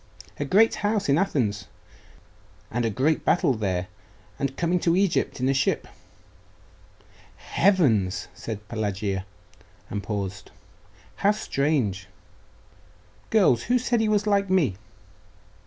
'A great house in Athens and a great battle there and coming to Egypt in a ship.' 'Heavens!' said Pelagia, and paused.... 'How strange! Girls, who said he was like me?